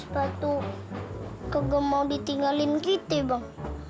tapi sepatu kagak mau ditinggalin kita bang